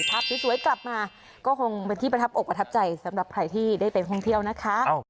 ไปนานมาก